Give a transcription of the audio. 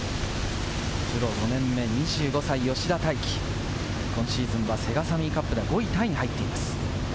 プロ５年目、２５歳・吉田泰基、今シーズンはセガサミーカップで５位タイに入っています。